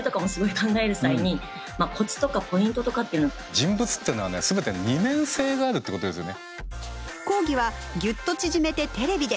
人物っていうのは全て二面性があるってことですよね。